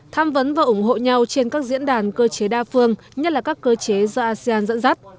tham vấn và ủng hộ nhau trên các diễn đàn cơ chế đa phương nhất là các cơ chế do asean dẫn dắt